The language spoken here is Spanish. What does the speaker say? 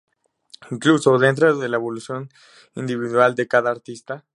Incluso dentro de la evolución individual de cada artista.